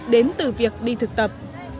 đến từ việc đi thực tập